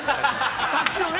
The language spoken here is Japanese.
◆さっきのね。